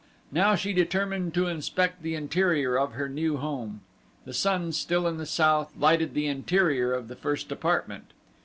Now she determined to inspect the interior of her new home. The sun still in the south, lighted the interior of the first apartment.